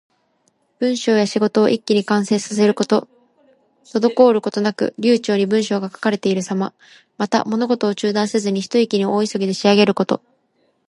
文章や仕事を一気に完成させること。滞ることなく流暢に文章が書かれているさま。また、物事を中断せずに、ひと息に大急ぎで仕上げること。